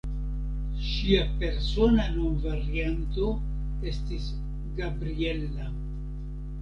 Ŝia persona nomvarianto estis "Gabriella".